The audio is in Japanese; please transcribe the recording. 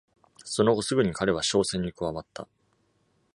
その後すぐに彼は商船に加わった。